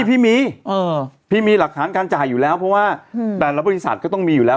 พี่มีพี่มีหลักฐานการจ่ายอยู่แล้วเพราะว่าแต่ละบริษัทก็ต้องมีอยู่แล้ว